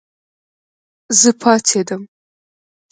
زه پاڅېدم